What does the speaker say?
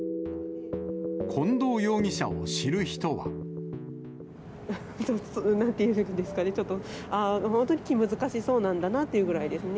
近藤容疑者を知る人は。なんていうんですかね、ちょっと、本当に気難しそうなんだなというぐらいですね。